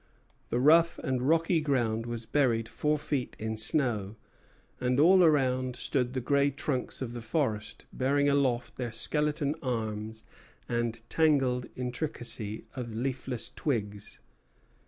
The rough and rocky ground was buried four feet in snow, and all around stood the gray trunks of the forest, bearing aloft their skeleton arms and tangled intricacy of leafless twigs.